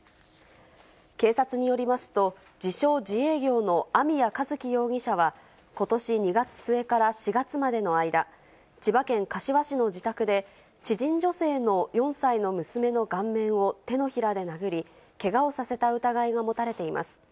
警察によりますと、自称自営業の網谷一希容疑者はことし２月末から４月までの間、千葉県柏市の自宅で、知人女性の４歳の娘の顔面を手のひらで殴り、けがをさせた疑いが持たれています。